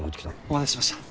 お待たせしました。